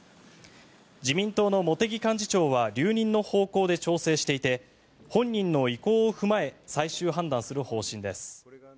自民党の茂木幹事長は留任の方向で調整していて本人の意向を踏まえ最終判断する方針です。